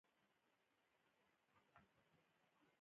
وزې له کوچنیانو سره مینه لري